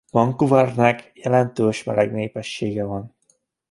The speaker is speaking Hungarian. Vancouvernek jelentős meleg népessége van.